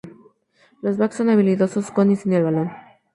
Los backs son habilidosos con y sin el balón.